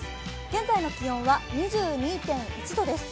現在の気温は２２．１度です。